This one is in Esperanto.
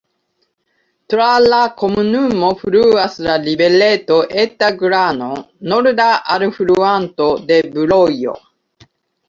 Tra la komunumo fluas la rivereto Eta Glano, norda alfluanto de Brojo.